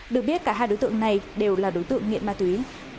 được biết cả hai đối tượng này đều là đối tượng nghiện ma túy